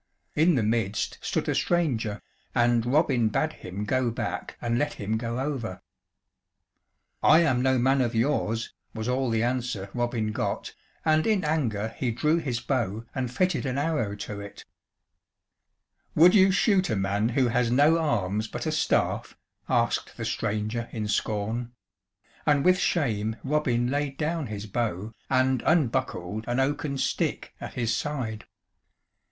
In the midst stood a stranger, and Robin bade him go back and let him go over. "I am no man of yours," was all the answer Robin got, and in anger he drew his bow and fitted an arrow to it, "Would you shoot a man who has no arms but a staff?" asked the stranger in scorn; and with shame Robin laid down his bow, and unbuckled an oaken stick at his side.